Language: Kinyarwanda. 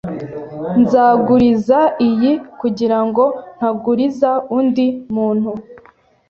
Nzaguriza iyi kugirango ntaguriza undi muntu.